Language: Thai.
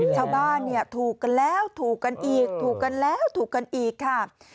ชาวบ้านเนี่ยถูกกันแล้วถูกกันอีกถูกกันแล้วถูกกันอีกค่ะ